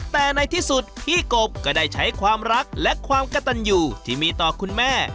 แต่ในที่สุดพี่กบก็ได้ใช้ความรักและความกระตันอยู่ที่มีต่อคุณแม่